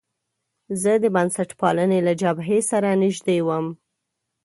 زه د بنسټپالنې له جبهې سره نژدې وم.